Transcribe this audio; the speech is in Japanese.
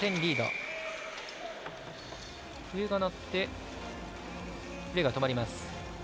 プレーが止まります。